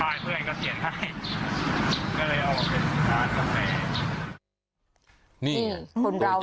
ภายเพื่อนก็เถียนให้ก็เลยเอามาเป็นสินค้าทัพเฟร